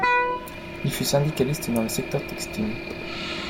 Il fut syndicaliste dans le secteur textile.